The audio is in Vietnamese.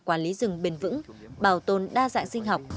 quản lý rừng bền vững bảo tồn đa dạng sinh học